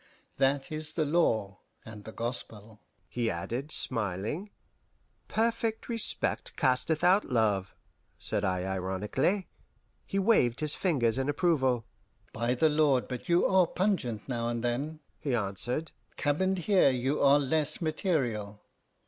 That is the law and the gospel," he added, smiling. "Perfect respect casteth out love" said I ironically. He waved his fingers in approval. "By the Lord, but you are pungent now and then!" he answered; "cabined here you are less material.